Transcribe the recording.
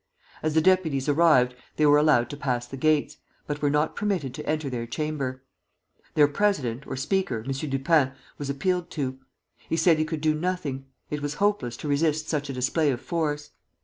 As the deputies arrived they were allowed to pass the gates, but were not permitted to enter their chamber. Their president, or Speaker, M. Dupin, was appealed to. He said he could do nothing; it was hopeless to resist such a display of force.